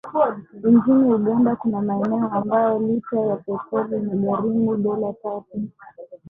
Nchini Uganda kuna maeneo ambako lita ya petroli inagharimu dola tatu